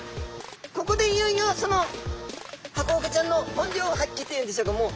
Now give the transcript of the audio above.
ここでいよいよそのハコフグちゃんの本領発揮というんでしょうかもう。